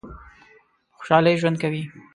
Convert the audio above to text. په خوشحالی ژوند کوی؟